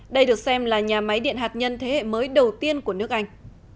đây được xem là nhà máy điện hạt nhân thế hệ mới đầu tiên của nước anh